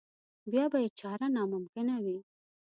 بیا به یې چاره ناممکنه وي.